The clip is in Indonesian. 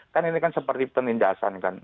kan ini kan seperti penindasan kan